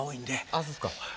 あそうですか。